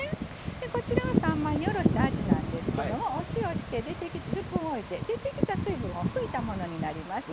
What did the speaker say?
こちらは三枚におろしたあじなんですけどお塩して１０分置いて出てきた水分を拭いたものになります。